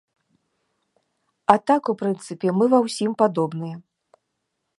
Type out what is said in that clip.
А так, у прынцыпе, мы ва ўсім падобныя.